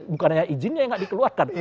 bukan hanya izinnya yang nggak dikeluarkan